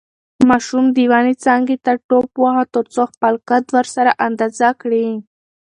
ماشوم د ونې څانګې ته ټوپ واهه ترڅو خپله قد ورسره اندازه کړي.